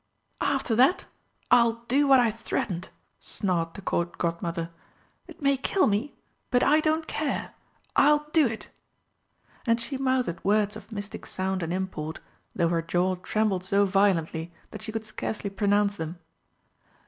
"After that I'll do what I threatened!" snarled the Court Godmother. "It may kill me but I don't care I'll do it!" And she mouthed words of mystic sound and import, though her jaw trembled so violently that she could scarcely pronounce them.